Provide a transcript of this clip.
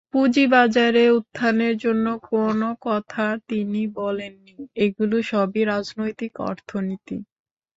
পুঁজিবাজারে উত্থানের জন্য কোনো কথা তিনি বলেননি, এগুলো সবই রাজনৈতিক অর্থনীতি।